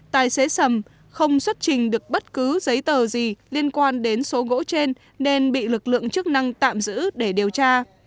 tài xế sầm không xuất trình được bất cứ giấy tờ gì liên quan đến số gỗ trên nên bị lực lượng chức năng tạm giữ để điều tra